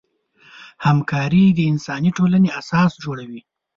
همکاري د انساني ټولنې اساس جوړوي.